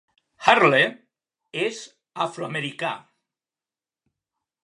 Earle és afroamericà.